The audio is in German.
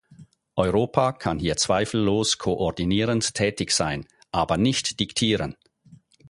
Europa kann hier zweifellos koordinierend tätig sein, aber nicht diktieren.